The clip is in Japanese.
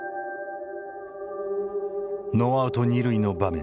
ノーアウト二塁の場面